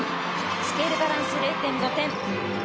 スケールバランス、０．５点。